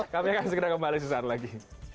kami akan segera kembali sesaat lagi